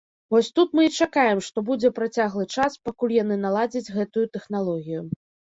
Вось тут мы і чакаем, што будзе працяглы час, пакуль яны наладзяць гэтую тэхналогію.